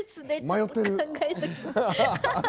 迷ってる。